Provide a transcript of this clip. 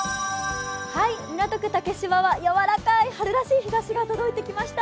港区竹芝は柔らかい春らしい日ざしが届いてきました。